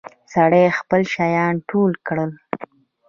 سړي خپل شيان ټول کړل.